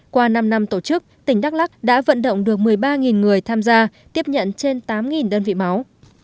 qua năm năm tổ chức tỉnh đắk lắc đã vận động được một mươi ba người tham gia tiếp nhận trên tám đơn vị máu